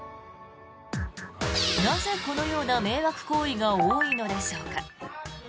なぜ、このような迷惑行為が多いのでしょうか。